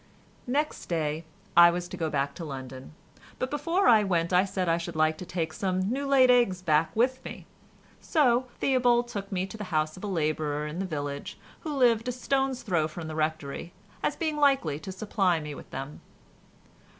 Next day I was to go back to London, but before I went I said I should like to take some new laid eggs back with me, so Theobald took me to the house of a labourer in the village who lived a stone's throw from the Rectory as being likely to supply me with them.